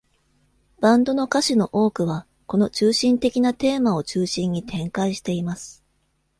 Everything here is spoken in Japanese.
バンドの歌詞の多くは、この中心的なテーマを中心に展開しています。